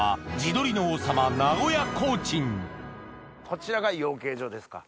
こちらが養鶏場ですか？